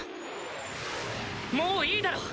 もういいだろ。